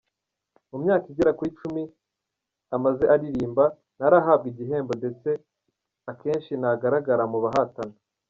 Mu myaka igera ku icumi amaze aririmba, ntarahabwa igihembo ndetse akenshi ntagaragara mu bahatana.